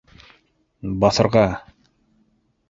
Баҫырға!